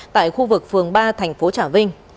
tại khu vực phường ba tp trà vinh